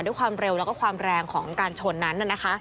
ด้วยความเร็วแล้วก็ความแรงของการชนนั้น